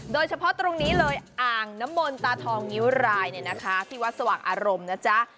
โดยเฉพาะตรงนี้เลยอ่างน้ำมนตาทองงิ้วรายเนี่ยนะคะที่วัดสว่างอารมณ์นะจ๊ะ